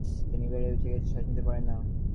সিঁড়ি বেয়ে উঠতে গেলে শ্বাস নিতে পারেন না।